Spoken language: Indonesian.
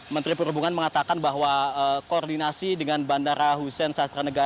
menteri perhubungan mengatakan bahwa koordinasi dengan bandara hussein sastra negara